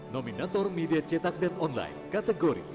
nominator media cetak dan online kategori